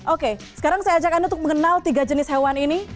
oke sekarang saya ajak anda untuk mengenal tiga jenis hewan ini